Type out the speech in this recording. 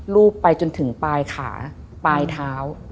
รูปไปจนถึงปลายขาปลายเท้า